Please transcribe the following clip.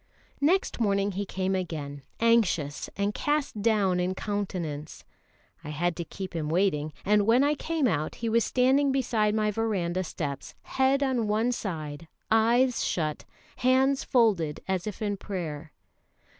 Next morning he came again, anxious and cast down in countenance. I had to keep him waiting; and when I came out, he was standing beside my verandah steps, head on one side, eyes shut, hands folded as if in prayer.